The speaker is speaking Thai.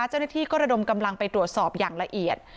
เจ้าหน้าที่ก็ระดมกำลังไปตรวจสอบอย่างละเอียด